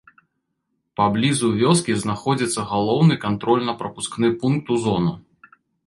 Паблізу вёскі знаходзіцца галоўны кантрольна-прапускны пункт у зону.